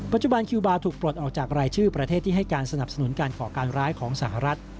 คิวบาร์ถูกปลดออกจากรายชื่อประเทศที่ให้การสนับสนุนการก่อการร้ายของสหรัฐ